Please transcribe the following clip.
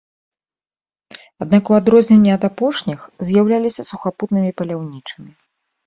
Аднак у адрозненні ад апошніх з'яўляліся сухапутнымі паляўнічымі.